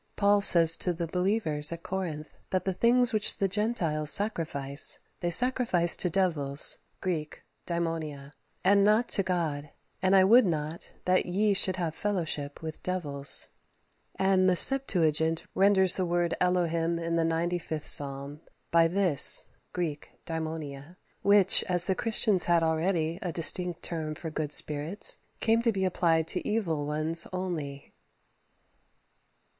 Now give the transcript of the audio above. Paul says to the believers at Corinth, "that the things which the Gentiles sacrifice, they sacrifice to devils ([Greek: daimonia]), and not to God; and I would not that ye should have fellowship with devils;" and the Septuagint renders the word Elohim in the ninety fifth Psalm by this [Greek: daimonia], which as the Christians had already a distinct term for good spirits, came to be applied to evil ones only.